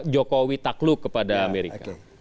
jokowi takluk kepada amerika